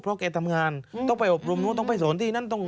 เพราะแกทำงานต้องไปอบรมนุษย์ต้องไปสนที่